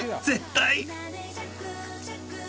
絶対。